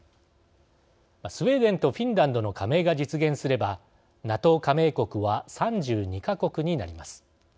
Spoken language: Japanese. スウェーデンとフィンランドの加盟が実現すればＮＡＴＯ加盟国は３２か国になります。